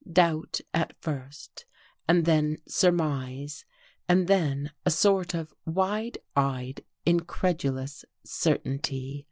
Doubt at first and then surmise, and then a sort of wide eyed, incredulous certainty.